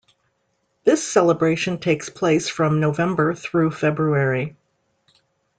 This celebration takes place from November thru February.